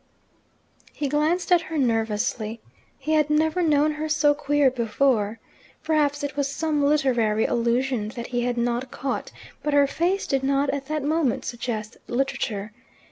He glanced at her nervously. He had never known her so queer before. Perhaps it was some literary allusion that he had not caught; but her face did not at that moment suggest literature.